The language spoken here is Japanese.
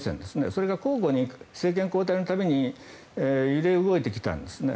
それが交互に政権交代の度に揺れ動いてきたんですね。